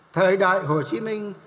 thời đại hồ chí minh